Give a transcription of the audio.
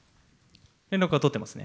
連絡は取ってませんね。